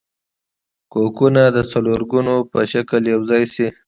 کوکونه د څلورګونو په شکل یوځای شي.